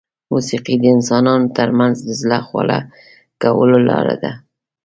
موسیقي د انسانانو ترمنځ د زړه خواله کولو لاره ده.